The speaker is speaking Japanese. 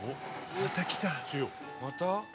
「また？」